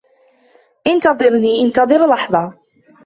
إنتظرني، إنتظر لحظة!